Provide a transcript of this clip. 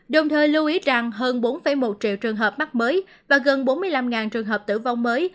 đồng thời lưu ý rằng hơn bốn một triệu trường hợp mắc mới và gần bốn mươi năm trường hợp tử vong mới